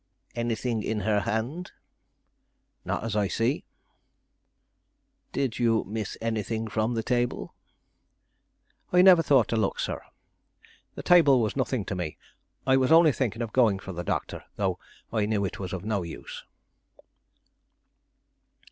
"Anything in her hand?" "Not as I see." "Did you miss anything from the table?" "I never thought to look, sir. The table was nothing to me. I was only thinking of going for the doctor, though I knew it was of no use."